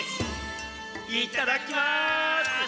いただきます！